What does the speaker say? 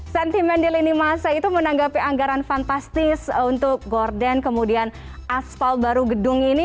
sentimen di lini masa itu menanggapi anggaran fantastis untuk gordon kemudian aspal baru gedung ini